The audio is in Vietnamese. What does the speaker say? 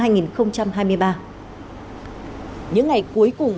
những ngày cuối cùng